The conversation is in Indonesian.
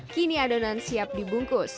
kini adonan siap dibungkus